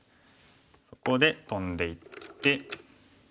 ここでトンでいって。